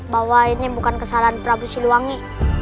bahwa ini bukan kesalahan prabu siliwangi